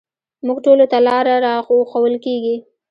موږ ټولو ته لاره راښوول کېږي.